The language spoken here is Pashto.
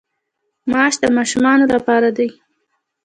ماش د ماشومانو لپاره دي.